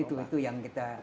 itu itu yang kita